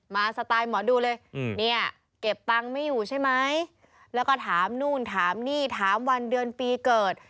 สไตล์หมอดูเลยเนี่ยเก็บตังค์ไม่อยู่ใช่ไหมแล้วก็ถามนู่นถามนี่ถามวันเดือนปีเกิด